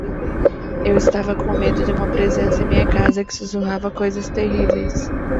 Eu estava com medo de uma presença em minha casa que sussurrava coisas terríveis.